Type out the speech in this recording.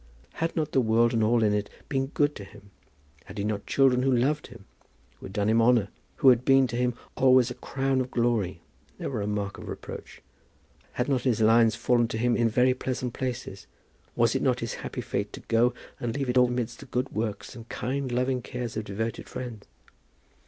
Had not the world and all in it been good to him; had he not children who loved him, who had done him honour, who had been to him always a crown of glory, never a mark for reproach; had not his lines fallen to him in very pleasant places; was it not his happy fate to go and leave it all amidst the good words and kind loving cares of devoted friends?